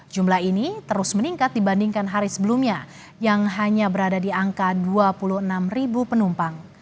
jumlah ini terus meningkat dibandingkan hari sebelumnya yang hanya berada di angka dua puluh enam penumpang